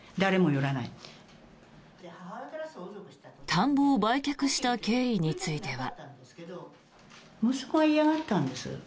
田んぼを売却した経緯については。